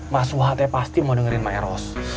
mas suha pasti mau dengerin maeros